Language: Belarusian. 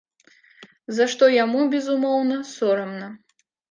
За што яму, безумоўна, сорамна.